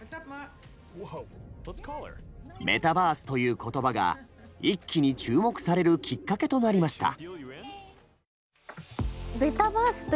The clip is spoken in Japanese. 「メタバース」という言葉が一気に注目されるきっかけとなりました。